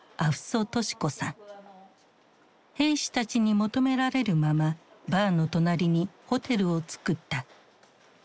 兵士たちに求められるままバーの隣にホテルをつくった。